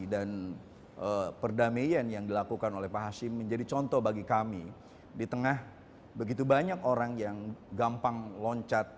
dan perdamian yang dilakukan oleh pak hashim menjadi contoh bagi kami di tengah begitu banyak orang yang gampang loncat